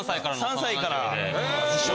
３歳から。